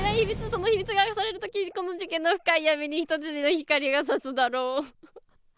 その秘密が明かされるときこの事件の深い闇に一筋の光が指すだろう」。